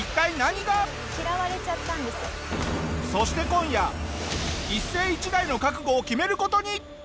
そして今夜一世一代の覚悟を決める事に！